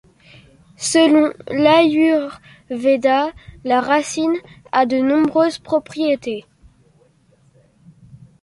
Selon l'Ayurveda, la racine a de nombreuses propriétés.